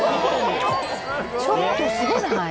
ちょっとすごない？